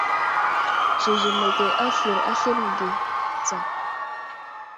Zezemeke aslər aslane ge tsa.